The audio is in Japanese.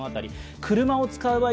車を使う場合